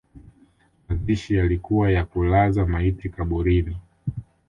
Mazishi yalikuwa ya kulaza maiti kaburini